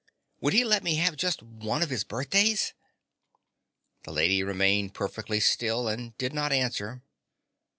"Would he let me have just one of his birthdays?" The lady remained perfectly still and did not answer.